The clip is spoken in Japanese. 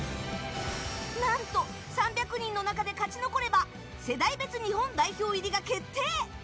何と３００人の中で勝ち残れば世代別日本代表入りが決定。